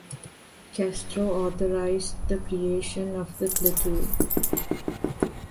Castro authorized the creation of the platoon.